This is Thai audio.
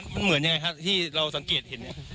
มันเหมือนยังไงครับที่เราสังเกตเห็นเนี่ย